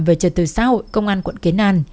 về trật tự xã hội công an quận kiến an